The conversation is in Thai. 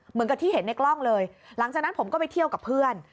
เหมือนกับที่เห็นในกล้องเลยหลังจากนั้นผมก็ไปเที่ยวกับเพื่อน